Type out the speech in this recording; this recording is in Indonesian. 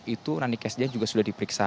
itu nanik s deyang juga sudah diperiksa